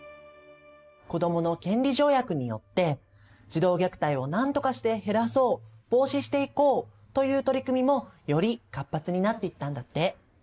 子どもの権利条約によって児童虐待をなんとかして減らそう防止していこうという取り組みもより活発になっていったんだって。